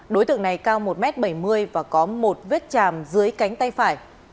đối tượng này cao một m bảy mươi và có một vết chàm dưới cánh tay phải